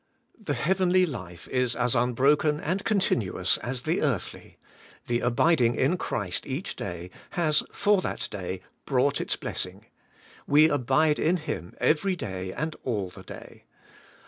The heavenly life is as un broken and continuous as the earthly; the abiding in Christ each day has for that day brought its blessing; we abide in Him every day, and all the day.